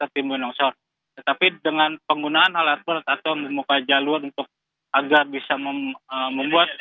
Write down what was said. timbul longsor tetapi dengan penggunaan alat berat atau membuka jalur untuk agar bisa membuat